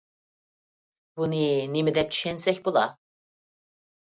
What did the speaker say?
بۇنى نېمە دەپ چۈشەنسەك بولار؟